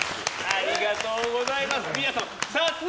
ありがとうございます！